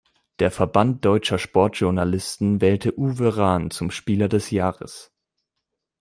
Der Verband Deutscher Sportjournalisten wählte Uwe Rahn zum Spieler des Jahres.